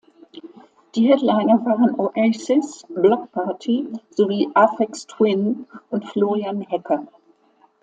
Die Headliner waren Oasis, Bloc Party sowie Aphex Twin mit Florian Hecker.